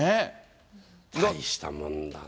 大したもんだな。